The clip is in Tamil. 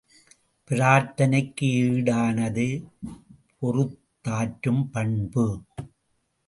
பிரார்த்தனைக்கு ஈடானது பொறுத்தாற்றும் பண்பு.